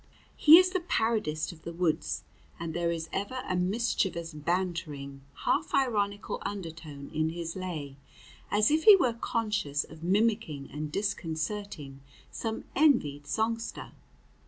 He is the parodist of the woods, and there is ever a mischievous, bantering, half ironical undertone in his lay, as if he were conscious of mimicking and disconcerting some envied songster.